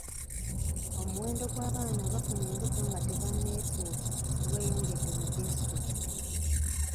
Omwendo gw'abaana abafuna embuto nga tebanneetuka gweyongedde mu disitulikiti.